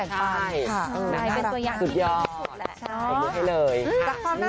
การให้แล้วก็การแตกตามสุดยอดขอบคุณให้เลยค่ะ